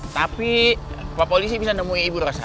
tapi pak polisi bisa nemui ibu rosa